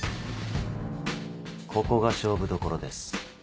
ここが勝負どころです。